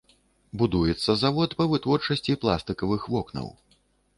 Будуецца завод па вытворчасці пластыкавых вокнаў.